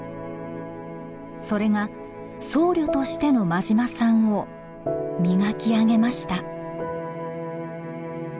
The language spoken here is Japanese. それが僧侶としての馬島さんを磨き上げました。